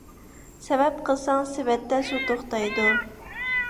سەۋەب قىلساڭ سېۋەتتە سۇ توختايدۇ.